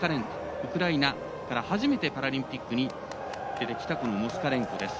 ウクライナから初めてパラリンピックに出てきたモスカレンコです。